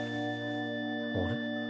あれ？